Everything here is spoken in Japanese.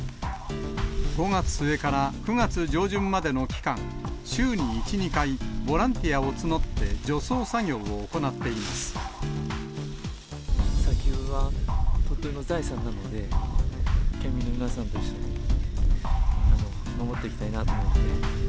５月末から９月上旬までの期間、週に１、２回、ボランティアを募って除草作業を行っていま砂丘は鳥取の財産なので、県民の皆さんと一緒に守っていきたいなと思って。